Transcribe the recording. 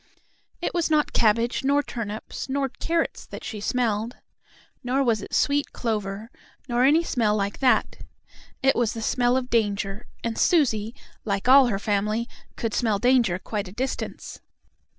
It was not cabbage nor turnips nor carrots that she smelled. Nor was it sweet clover, nor any smell like that. It was the smell of danger, and Susie, like all her family, could smell danger quite a distance.